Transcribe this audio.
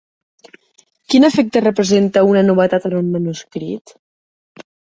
Quin efecte representa una novetat en un manuscrit?